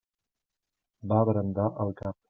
Va brandar el cap.